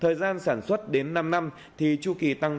thời gian sản xuất trên năm năm thì chu kỳ giữ nguyên sáu tháng